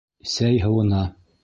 Сәй һыуына...